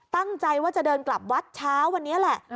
ตั้งใจว่าจะเดินกลับวัดเช้าวันนี้แหละ